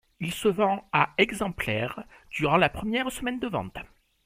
Il se vend à exemplaires durant la première semaine de vente.